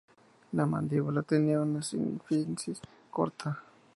La mandíbula tenía una sínfisis corta.